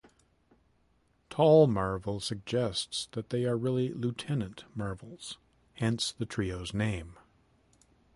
Tall Marvel suggests that they are really Lieutenant Marvels, hence the trio's name.